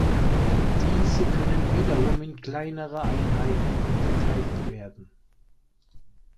Diese können wiederum in kleinere Einheiten unterteilt werden.